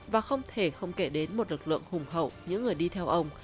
và không thể không kể đến một lực lượng hùng hậu những người đi theo ông